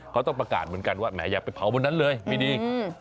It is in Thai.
เขาต้องประกาศเหมือนกันว่าแหมอย่าไปเผาวันนั้นเลยไม่ดี